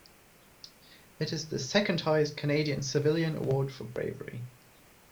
It is the second highest Canadian civilian award for bravery.